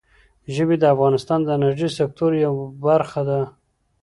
ژبې د افغانستان د انرژۍ سکتور یوه برخه ده.